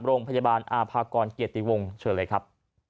โรงพยาบาลอาภากรเกียรติวงเชิญเลยครับ